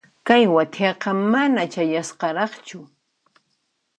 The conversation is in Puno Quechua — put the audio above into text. Kay wathiaqa mana chayasqaraqchu.